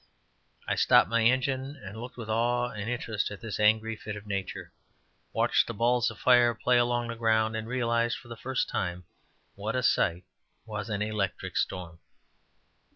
I stopped my engine, and looked with awe and interest at this angry fit of nature, watched the balls of fire play along the ground, and realized for the first time what a sight was an electric storm.